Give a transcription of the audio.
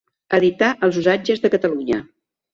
Edità els Usatges de Catalunya.